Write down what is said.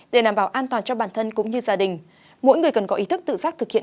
để đảm bảo an toàn cho bản thân cũng như gia đình mỗi người cần có ý thức tự giác thực hiện